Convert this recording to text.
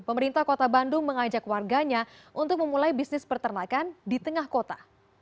pemerintah kota bandung mengajak warganya untuk memulai bisnis pertanakan di tengah kota